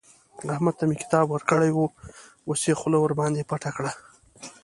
احمد ته مې کتاب ورکړی وو؛ اوس يې خوله ورباندې پټه کړه.